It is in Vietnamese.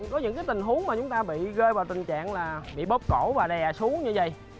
có những cái tình huống mà chúng ta bị gây vào tình trạng là bị bóp cổ và đè xuống như vầy